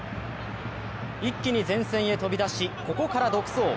一気に前線へ飛び出し、ここから独走。